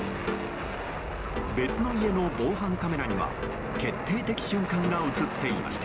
別の家の防犯カメラには決定的瞬間が映っていました。